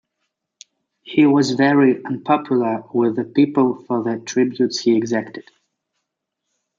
He was very unpopular with the people for the tributes he exacted.